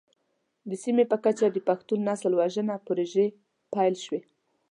د سیمې په کچه د پښتون نسل وژنه پروژې پيل شوې.